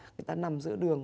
người ta nằm giữa đường